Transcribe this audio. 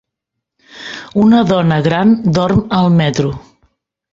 Una dona gran dorm al metro.